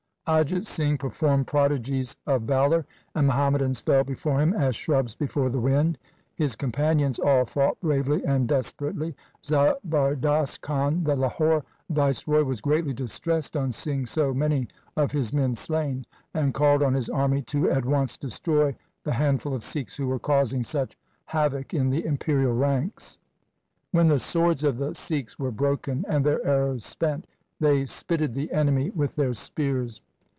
Ajit Singh performed prodigies of valour, and Muhammadans fell before him as shrubs before the wind His companions all fought bravely and desperately Zabardast Khan, the Lahore vice roy, was greatly distressed on seeing so many of his men slain, and called on his army to at once destroy the handful of Sikhs who were causing such havoc in the imperial ranks. When the LIFE OF GURU GOBIND SINGH 189 swords of the Sikhs were broken and their arrows spent, they spitted the enemy with their spears.